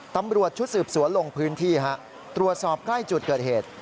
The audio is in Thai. ตำรวจชุดสืบสวนลงพื้นที่ตรวจสอบใกล้จุดเกิดเหตุ